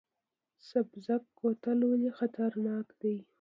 سبزک کوتل ولې خطرناک دی؟